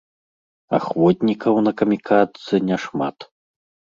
Ахвотнікаў на камікадзэ няшмат.